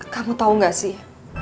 kamu tau gak sih